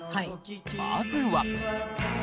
まずは。